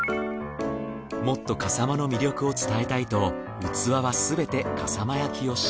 もっと笠間の魅力を伝えたいと器はすべて笠間焼を使用。